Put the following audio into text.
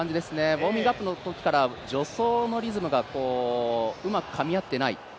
ウォーミングアップのときから助走のリズムがうまくかみ合っていない。